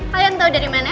kalian tau dari mana